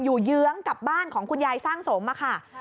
เยื้องกับบ้านของคุณยายสร้างสมค่ะ